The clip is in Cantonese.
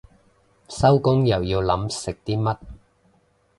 收工又要諗食啲乜